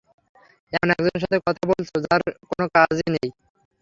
এমন একজনের সাথে কথা বলছ যার কোন কাজ-ই নেই।